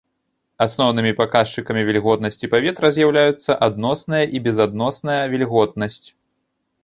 Асноўнымі паказчыкамі вільготнасці паветра з'яўляюцца адносная і безадносная вільготнасць.